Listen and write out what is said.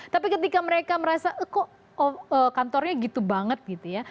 tapi ketika mereka merasa kok kantornya gitu banget gitu ya